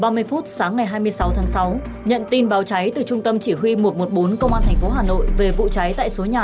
một giờ ba mươi phút sáng ngày hai mươi sáu tháng sáu nhận tin báo cháy từ trung tâm chỉ huy một trăm một mươi bốn công an thành phố hà nội về vụ cháy tại số nhà năm mươi một